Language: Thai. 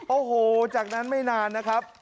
โอ้โหจากนั้นไม่นานนะครับ